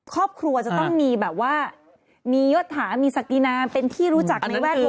ครอบครัวจะต้องมีแบบว่ามียศถามีศักดินาไม่รู้จัก